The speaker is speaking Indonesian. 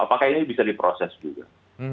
apakah ini bisa diproses juga